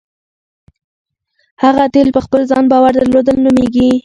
هغه تیل په خپل ځان باور درلودل نومېږي.